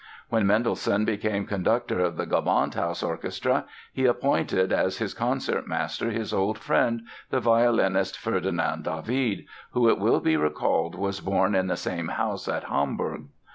When Mendelssohn became conductor of the Gewandhaus Orchestra he appointed as his concertmaster his old friend, the violinist Ferdinand David, who it will be recalled was born in the same house at Hamburg.